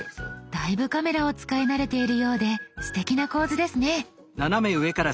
だいぶカメラを使い慣れているようですてきな構図ですね。